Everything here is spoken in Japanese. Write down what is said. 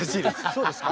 そうですか？